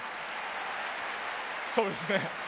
そうですね。